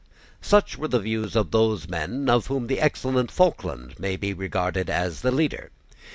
Such were the views of those men of whom the excellent Falkland may be regarded as the leader.